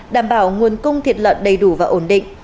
đảm bảo nguồn cung thịt lợn đầy đủ và ổn định